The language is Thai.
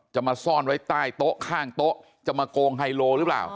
จะมาซ่อนไว้ใต้โต๊ะข้างโต๊ะจะมาโกงไฮโลหรือเปล่า